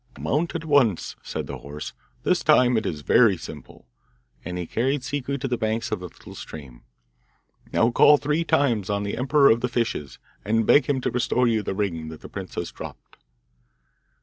'Mount at once,' said the horse; 'this time it is very simple,' and he carried Ciccu to the banks of the little stream. 'Now, call three times on the emperor of the fishes, and beg him to restore you the ring that the princess dropped.